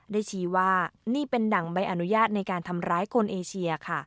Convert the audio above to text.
ชี้ว่านี่เป็นหนังใบอนุญาตในการทำร้ายคนเอเชียค่ะ